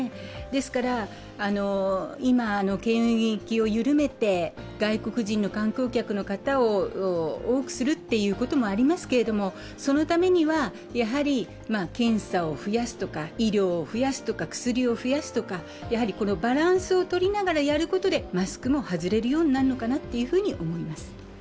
ですから、今、検疫を緩めて外国人の観光客の方を多くするということもありますけれども、そのためには、やはり、検査を増やすとか医療を増やすとか薬を増やすとか、バランスを取りながらやることでマスクも外れるようになるのかなと思います。